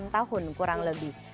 enam tahun kurang lebih